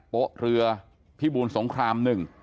โป๊ะเรือพิบูลสงคราม๑